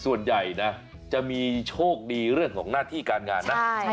ส่วนใหญ่นะจะมีโชคดีเรื่องของหน้าที่การงานนะ